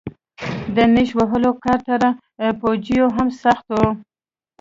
د نېش وهلو کار تر پوجيو هم سخت و.